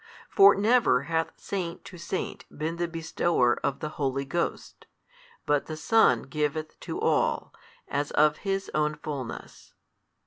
For never hath saint to saint been the bestower of the Holy Ghost: but the Son giveth to all, as of His own fulness.